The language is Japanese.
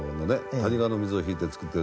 谷川の水を引いて作ってる田んぼ。